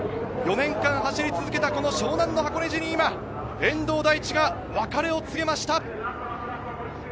４年間走り続けた湘南の箱根路に今、遠藤大地が別れを告げます。